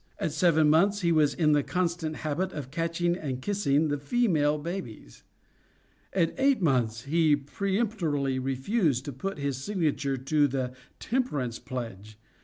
At seven months he was in the constant habit of catching and kissing the female babies. At eight months he peremptorily refused to put his signature to the Temperance pledge.